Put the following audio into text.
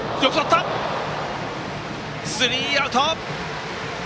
スリーアウト。